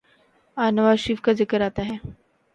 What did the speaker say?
آج نواز شریف کا ذکر آتا ہے۔